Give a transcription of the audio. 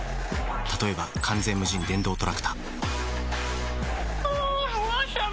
例えば完全無人電動トラクタあぁわさび。